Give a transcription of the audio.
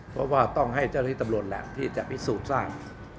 เพราะว่าต้องให้เจ้าหน้าที่ตำรวจแหละที่จะพิสูจน์ทราบ